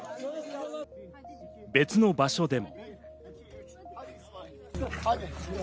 別の場所でも。